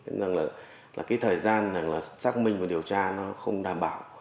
nên là cái thời gian xác minh và điều tra nó không đảm bảo